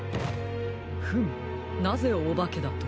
フムなぜおばけだと？